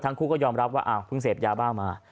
ทั้งคู่ก็ยอมรับว่าเพิ่งเสพยาบ้ามา